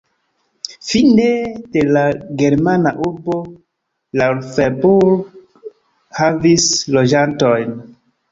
Fine de la germana urbo Laufenburg havis loĝantojn.